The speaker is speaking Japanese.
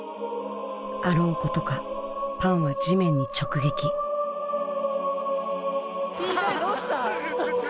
あろうことかパンは地面に直撃Ｔ大どうした？